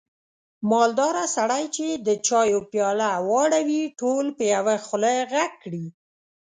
مالداره سړی چې د چایو پیاله واړوي، ټول په یوه خوله غږ کړي.